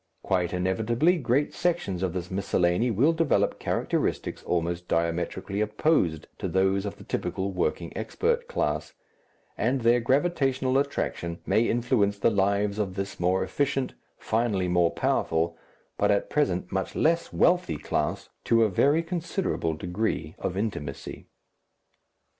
Quite inevitably great sections of this miscellany will develop characteristics almost diametrically opposed to those of the typical working expert class, and their gravitational attraction may influence the lives of this more efficient, finally more powerful, but at present much less wealthy, class to a very considerable degree of intimacy.